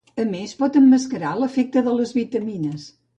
A més, pot emmascarar l'efecte de les vitamines.